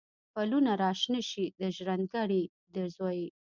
پلونه را شنه شي، د ژرند ګړی د زوی